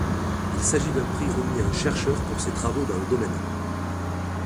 Il s'agit d'un prix remis à un chercheur pour ses travaux dans le domaine.